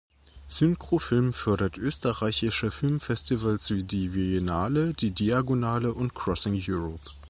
Synchro Film fördert österreichische Filmfestivals wie die Viennale, die Diagonale und Crossing Europe.